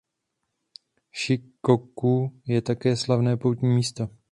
Šikoku je také slavné poutní místo.